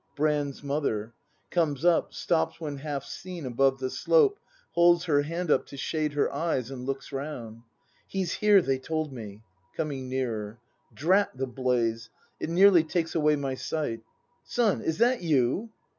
Brand's Mother. [Comes up, stops ivhen half seen above the slope, holds her hand up to shade her eyes, and looks round.] He's here, they told me. [Coming nearer.] Drat the blaze, — It nearly takes away my sight! Son, is that you